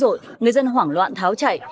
rồi người dân hoảng loạn tháo chạy